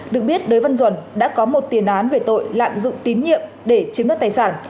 được biết đối văn duẩn đã có một tiền án về tội lạm dụng tín nhiệm để chiếm đất tài sản